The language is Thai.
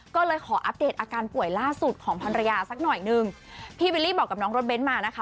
ก็เลยขออัปเดตอาการป่วยล่าสุดของภรรยาสักหน่อยนึงพี่บิลลี่บอกกับน้องรถเบ้นมานะคะ